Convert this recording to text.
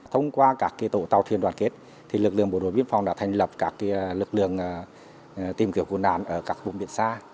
thông qua các tổ tàu thuyền đoàn kết lực lượng bộ đội biên phòng đã thành lập các lực lượng tìm kiểu cứu nạn ở các vùng biển xa